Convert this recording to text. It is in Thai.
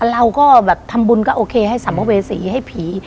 เราก็แบบทำบุญก็โอเคให้สัมภเวษีให้ผี